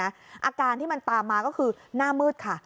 อาการที่มันตามมาก็คือหน้ามืดค่ะ